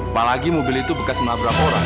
apalagi mobil itu bekas menabrak orang